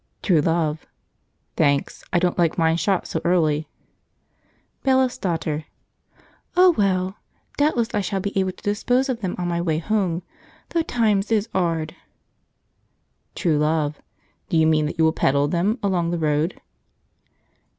True Love. "Thanks; I don't like mine shot so early." Bailiff's Daughter. "Oh, well! doubtless I shall be able to dispose of them on my way home, though times is 'ard!" True Love. "Do you mean that you will "peddle" them along the road?"